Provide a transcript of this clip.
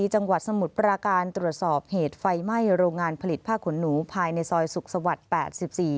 จังหวัดสมุทรปราการตรวจสอบเหตุไฟไหม้โรงงานผลิตผ้าขนหนูภายในซอยสุขสวรรค์๘๔